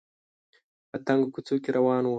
په تنګو کوڅو کې روان و